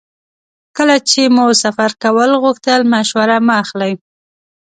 کله چې مو سفر کول غوښتل مشوره مه اخلئ.